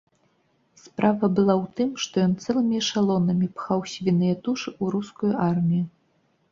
Справа была ў тым, што ён цэлымі эшалонамі пхаў свіныя тушы ў рускую армію.